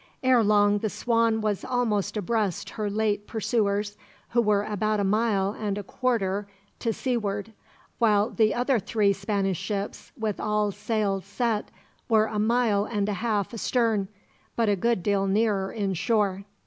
Ere long the Swan was almost abreast her late pursuers, who were about a mile and a quarter to seaward; while the other three Spanish ships, with all sails set, were a mile and a half astern, but a good deal nearer in shore.